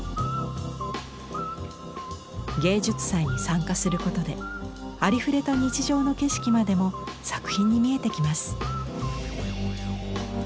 芸術祭に参加することでありふれた日常の景色までも作品に見えてきます。